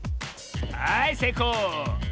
はいせいこう！